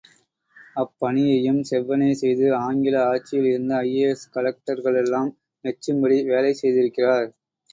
அப்பணியையும் செவ்வனே செய்து, ஆங்கில ஆட்சியில் இருந்த ஐ.ஏ.ஏஸ் கலெக்டர்களெல்லாம் மெச்சும்படி வேலை செய்திருக்கிறார்.